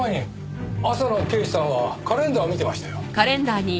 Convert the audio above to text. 朝の刑事さんはカレンダーを見てましたよ。